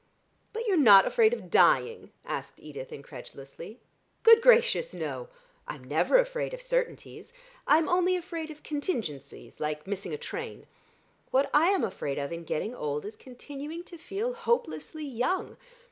"But you're not afraid of dying?" asked Edith incredulously. "Good gracious, no. I'm never afraid of certainties; I'm only afraid of contingencies like missing a train. What I am afraid of in getting old is continuing to feel hopelessly young.